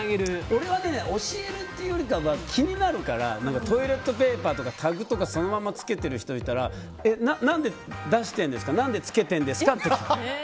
俺は教えるというより気になるからトイレットペーパーとかタグとかそのままつけている人がいたら何で出しているんですか？